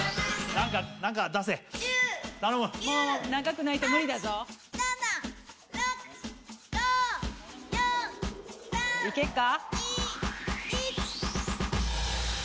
何か何か出せ頼むもう長くないと無理だぞいけっか？